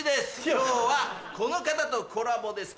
今日はこの方とコラボです